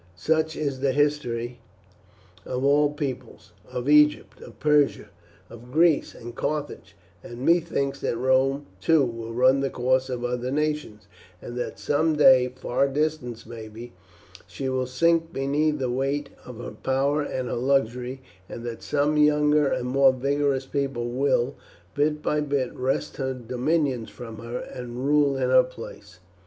Such is the history of all peoples of Egypt, of Persia, of Greece, and Carthage; and methinks that Rome, too, will run the course of other nations, and that some day, far distant maybe, she will sink beneath the weight of her power and her luxury, and that some younger and more vigorous people will, bit by bit, wrest her dominions from her and rule in her place.